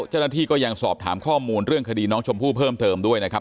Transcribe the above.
เจ้าหน้าที่ก็ยังสอบถามข้อมูลเรื่องคดีน้องชมพู่เพิ่มเติมด้วยนะครับ